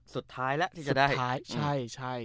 สุดท้ายล่ะที่จะได้